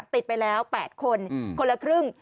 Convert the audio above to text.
ติดไปแล้ว๘คนคนละครึ่ง